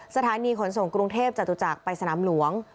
สถานีขนส่งกรุงเทพจตุจักรไปสนามหลวง